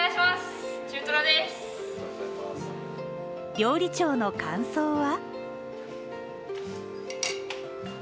料理長の感想は？